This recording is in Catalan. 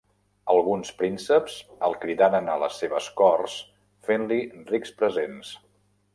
Alguns prínceps el cridaren a les seves corts fent-li rics presents.